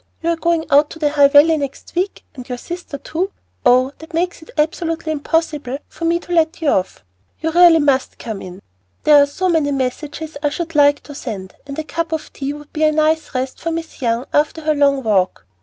you are going out to the High Valley next week, and your sister too? Oh, that makes it absolutely impossible for me to let you off. You really must come in. There are so many messages I should like to send, and a cup of tea will be a nice rest for Miss Young after her long walk."